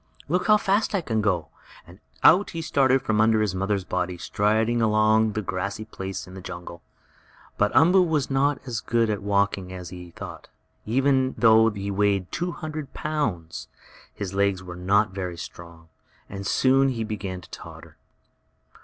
"Look how fast I can go!" Out he started from under his mother's body, striding across a grassy place in the jungle. But Umboo was not as good at walking as he had thought. Even though he weighed two hundred pounds his legs were not very strong, and soon he began to totter.